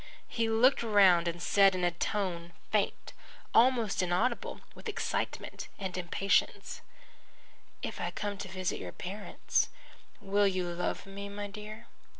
He looked round and said in a tone faint, almost inaudible with excitement and impatience: "If I come to visit your parents will you love me, my dear?"